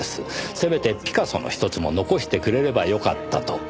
せめてピカソの１つも残してくれればよかったと。